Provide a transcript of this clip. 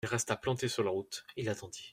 Il resta planté sur la route, il attendit.